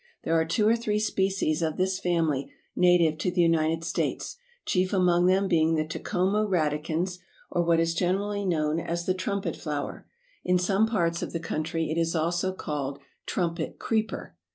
There are two or three species of this family native to the United States, chief among them being the Tecoma radicans, or what is generally known as the Trumpet Flower. In some parts of the country it is also called Trumpet Creeper.